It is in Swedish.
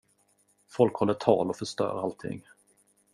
Folk håller tal och förstör allting.